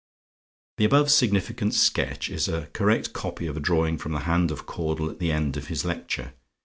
The above significant sketch is a correct copy of a drawing from the hand of Caudle at the end of this Lecture.